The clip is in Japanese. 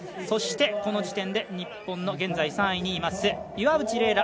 そして、この時点で日本の現在、３位にいます岩渕麗